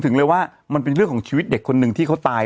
ถึงเลยว่ามันเป็นเรื่องของชีวิตเด็กคนหนึ่งที่เขาตาย